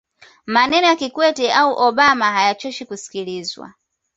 maneno ya kikwete au obama hayachoshi kusikilizwa